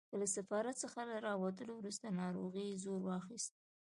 له سفارت څخه له راوتلو وروسته ناروغۍ زور واخیست.